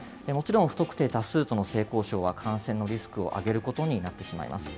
もちろん不特定多数との性交渉は感染のリスクを上げることになってしまいます。